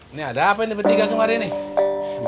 ini ada apa ini bertiga kemarin nih